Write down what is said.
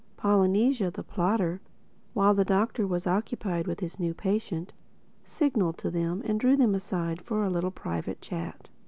Polynesia, the plotter, while the Doctor was occupied with his new patient, signaled to them and drew them aside for a little private chat.